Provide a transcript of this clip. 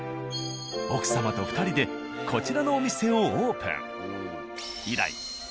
奥様と２人でこちらのお店をオープン。